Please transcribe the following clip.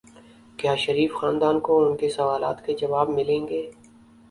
کیا شریف خاندان کو ان کے سوالات کے جواب ملیں گے؟